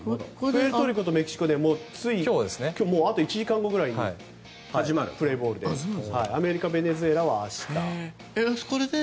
プエルトリコとメキシコで今日、あと１時間後くらいにプレーボールでアメリカ、ベネズエラは明日行われます。